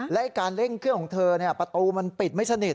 และการเร่งเครื่องของเธอประตูมันปิดไม่สนิท